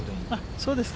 そうですか。